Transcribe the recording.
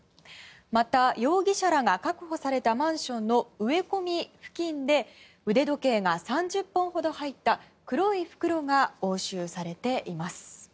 また、容疑者らが確保されたマンションの植え込み付近で腕時計が３０本ほど入った黒い袋が押収されています。